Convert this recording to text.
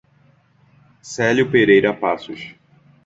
Celio Pereira Passos